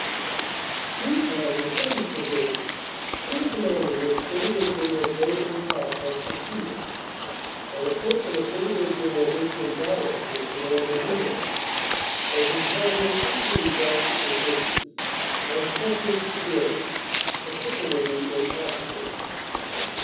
Meantime the 7th. Brigade, to the command of which Brig. General J. A. Clark had succeeded, on appointment of Brig. General H. M. Dyer to a command in England, was encountering equally desperate resistance and suffering severely, particularly in officers.